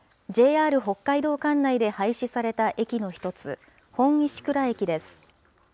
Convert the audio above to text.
ＪＲ北海道管内で廃止された駅の一つ、本石倉駅です。